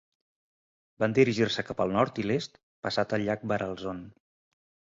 Van dirigir-se cap al nord i l'est passat el llac Baralzone.